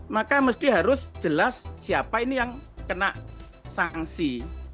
maka mesti harus jelas siapa ini yang kena sanksi